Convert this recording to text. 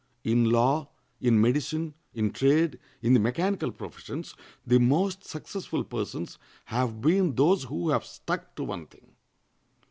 In law, in medicine, in trade, in the mechanical professions the most successful persons have been those who have stuck to one thing.